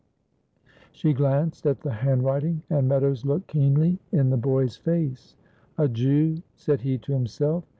She glanced at the handwriting, and Meadows looked keenly in the boy's face. "A Jew," said he to himself.